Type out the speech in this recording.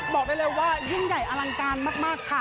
บอกได้เลยว่ายิ่งใหญ่อลังการมากค่ะ